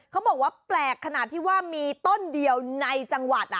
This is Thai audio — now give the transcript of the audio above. เขาบอกว่าแปลกขนาดที่ว่ามีต้นเดียวในจังหวัด